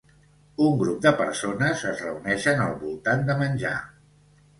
Un grup de persones es reuneixen al voltant de menjar.